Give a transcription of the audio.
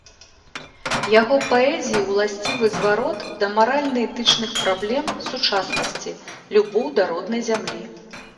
Яго паэзіі ўласцівы зварот да маральна-этычных праблем сучаснасці, любоў да роднай зямлі.